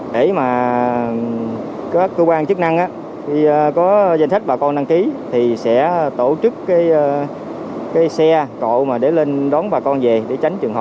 để mà các cơ quan chức năng khi có danh sách bà con đăng ký thì sẽ tổ chức cái xe cộ mà để lên đón bà con về để tránh trường hợp